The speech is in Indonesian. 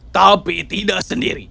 tapi tidak sendiri